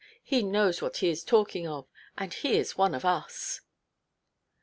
He knows what he is talking of; and he is one of us."